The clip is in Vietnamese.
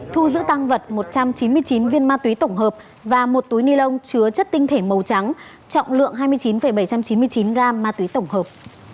thu giữ tăng vật một trăm chín mươi chín viên ma túy tổng hợp và một túi ni lông chứa chất tinh thể màu trắng trọng lượng hai mươi chín bảy trăm chín mươi chín gam ma túy tổng hợp